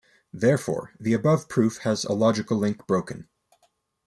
Therefore the above proof has a logical link broken.